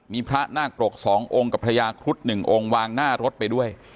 มีพระนาคปรก๒องค์กับพระยาครุฑ๑องค์วางหน้ารถไปด้วย